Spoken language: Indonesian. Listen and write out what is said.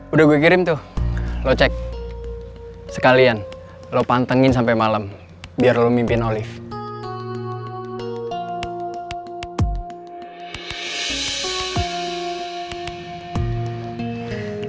udah gue kirim tuh lo cek sekalian lo pantengin sampai malam biar lo mimpin olive